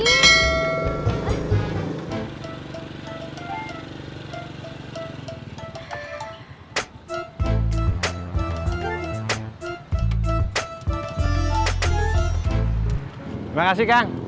terima kasih kang